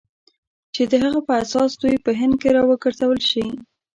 چې د هغه په اساس دوی په هند کې را وګرځول شي.